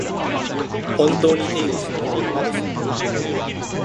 本当に手入れしないと壊れそう